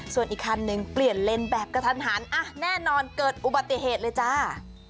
ส่วนอีกคันหนึ่งเปลี่ยนเลนแบบกระทันหันแน่นอนเกิดอุบัติเหตุเลยจ้า